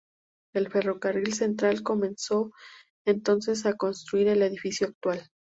El Ferrocarril Central comenzó entonces a construir el edificio actual.